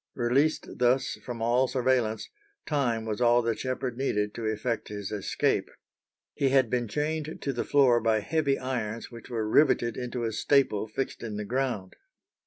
Released thus from all surveillance, time was all that Sheppard needed to effect his escape. He had been chained to the floor by heavy irons, which were riveted into a staple fixed in the ground.